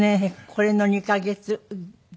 これの２カ月後。